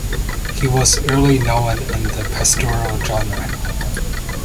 He was early known in the pastoral genre.